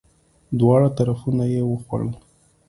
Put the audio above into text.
دواړه طرفونه یی وخوړل!